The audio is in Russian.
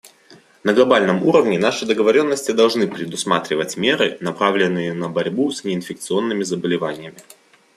На глобальном уровне наши договоренности должны предусматривать меры, направленные на борьбу с неинфекционными заболеваниями.